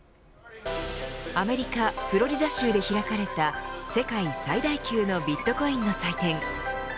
アメリカフロリダ州で開かれた世界最大級のビットコインの祭典